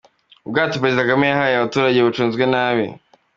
Ubwato Perezida Kagame yahaye abaturage bucunzwe nabi